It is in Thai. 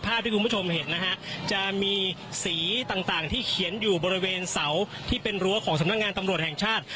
ที่คุณผู้ชมเห็นนะฮะจะมีสีต่างที่เขียนอยู่บริเวณเสาที่เป็นรั้วของสำนักงานตำรวจแห่งชาติ